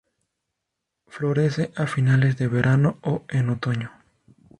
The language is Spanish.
Florece a finales de verano o en otoño.